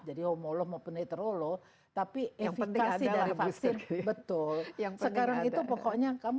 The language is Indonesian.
jadi omolom operator olo tapi yang penting adalah betul yang sekarang itu pokoknya kamu